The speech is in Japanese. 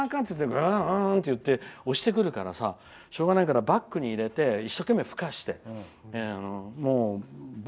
ブーンっていって押してくるからしょうがないからバックに入れて一生懸命ふかして。